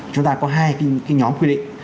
chúng ta có hai cái nhóm quy định